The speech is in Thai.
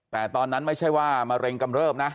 แต่ตอนนั้นไม่ใช่ว่ามะเร็งกำเริบนะ